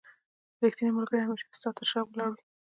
رښتينی ملګري هميشه ستا تر شا ولاړ وي.